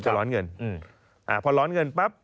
ช่วงเศรษฐกิจไม่ได้